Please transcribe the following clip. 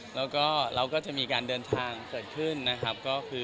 แล้วก็จะมีการเดินทางเกิดขึ้นนะครับ